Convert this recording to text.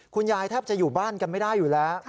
แทบจะอยู่บ้านกันไม่ได้อยู่แล้ว